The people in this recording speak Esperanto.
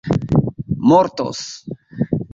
mortos